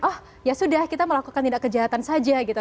oh ya sudah kita melakukan tindak kejahatan saja gitu